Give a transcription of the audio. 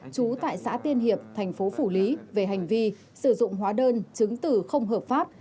trú tại xã tiên hiệp thành phố phủ lý về hành vi sử dụng hóa đơn chứng tử không hợp pháp